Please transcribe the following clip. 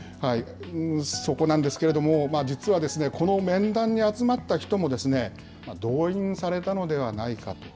そこなんですけれども、実はこの面談に集まった人も、動員されたのではないかと。